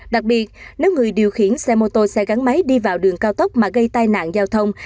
đặc biệt nếu người điều khiển xe mô tô xe gắn máy đi vào đường cao tốc mà gây tai nạn giao thông